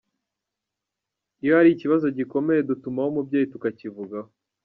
Iyo hari ikibazo gikomeye dutumaho umubyeyi tukakivuganaho.